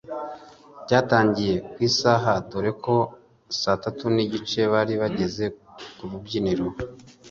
cyatangiriye ku isaha dore ko saa tatu n’igice bari bageze ku rubyiniro